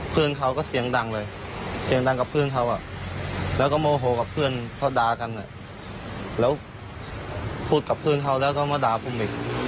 พูดกับเพื่อนเขาแล้วก็มาด่าผมอีก